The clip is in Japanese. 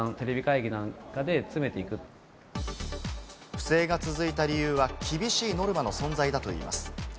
不正が続いた理由は、厳しいノルマの存在だといいます。